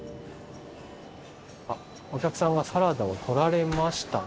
あっ、お客さんがサラダを取られましたね。